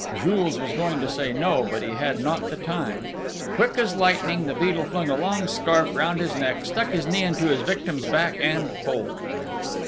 Jules was going to say "no!" but he had not the time! Quick as lightning the Beadle flung a long scarf round his neck, stuck his knee into his victim's back, and pulled!